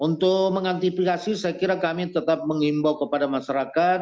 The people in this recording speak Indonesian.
untuk mengantisipasi saya kira kami tetap mengimbau kepada masyarakat